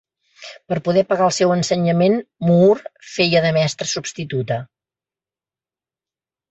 Per poder pagar pel seu ensenyament, Moore feia de mestra substituta.